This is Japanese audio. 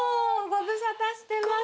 ご無沙汰してます